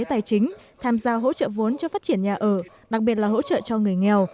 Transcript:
tài chính tham gia hỗ trợ vốn cho phát triển nhà ở đặc biệt là hỗ trợ cho người nghèo